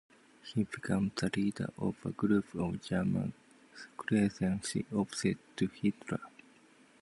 He became the leader of a group of German clergymen opposed to Hitler.